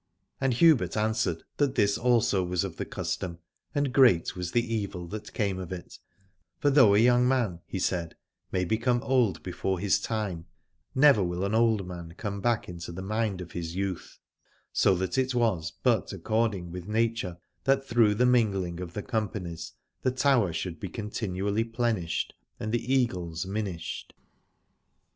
And Hubert answered that this also was of the custom, and great was the evil that came of it : for though a young man, he said, may become old before his time, never will an old man come back into the mind of his youth, so that it was but according with nature that through the mingling of the companies the Tower should be continually plenished and the Eagles minished.